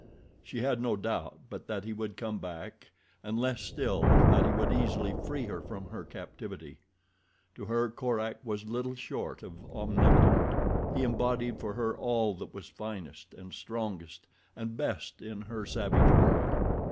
She had no doubt but that he would come back and less still that he would easily free her from her captivity. To her Korak was little short of omnipotent. He embodied for her all that was finest and strongest and best in her savage world.